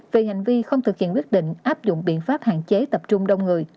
về hành vi không thực hiện quyết định áp dụng biện pháp hạn chế tập trung đông người